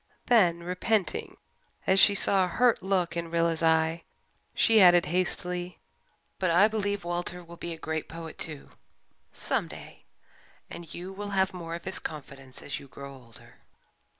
Then, repenting, as she saw a hurt look in Rilla's eye, she added hastily, "But I believe Walter will be a great poet, too some day and you will have more of his confidence as you grow older."